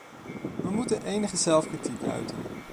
We moeten enige zelfkritiek uiten.